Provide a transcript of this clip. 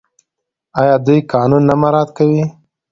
آیا دوی قانون نه مراعات کوي؟